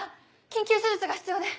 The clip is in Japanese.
緊急手術が必要で。